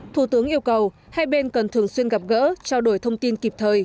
thủ tướng yêu cầu hai bên cần thường xuyên gặp gỡ trao đổi thông tin kịp thời